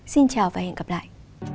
xin chào và hẹn gặp lại